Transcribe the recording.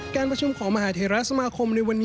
การประชุมของมหาเทราสมาคมในวันนี้